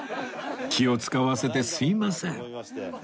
気を使わせてすいません